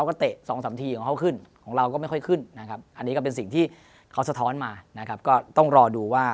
เขาสะท้อนมานะครับก็ต้องรอดูว่า